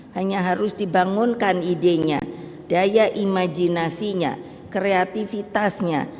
hanya harus dibangunkan idenya daya imajinasinya kreatifitasnya